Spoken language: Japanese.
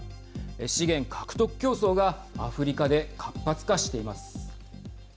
資源獲得競争がアフリカで活発化しています。